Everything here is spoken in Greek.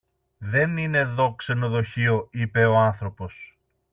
Δεν είναι δω ξενοδοχείο, είπε ο άνθρωπος.